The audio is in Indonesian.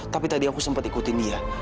tapi tadi aku sempat ikutin dia